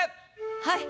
はい。